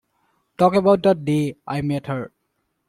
Talk about the day I met her.